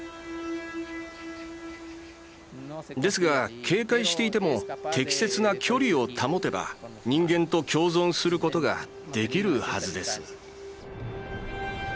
ですが警戒していても適切な距離を保てば人間と共存することができるはずです。